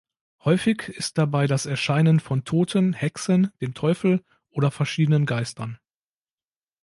Häufig ist dabei das Erscheinen von Toten, Hexen, dem Teufel oder verschiedenen Geistern.